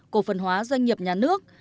cổ phân hóa doanh nghiệp nhà nước